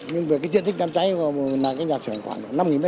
nhưng về cái diện tích đám cháy là nhà sửa khoảng năm m hai